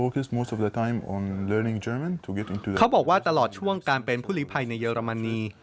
เขาบอกว่าตลอดช่วงการเป็นผู้หลีภัยในเรรมนี